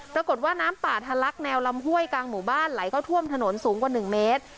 ปรากฏว่าน้ำป่าทะลักแนวลำห้วยกลางหมู่บ้านไหลเข้าท่วมถนนสูงกว่า๑เมตร